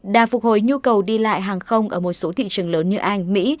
đà phục hồi nhu cầu đi lại hàng không ở một số thị trường lớn như anh mỹ